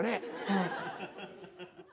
はい。